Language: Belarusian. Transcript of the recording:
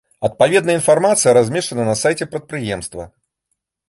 Адпаведная інфармацыя размешчана на сайце прадпрыемства.